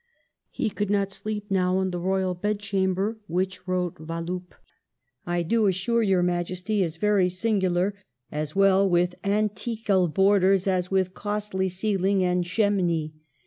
He could not sleep now in the Royal bed chamber, which, wrote Wallup, " I do assure your Majestie is very singulier, as well with antycall borders as with a costly seeling and chemney."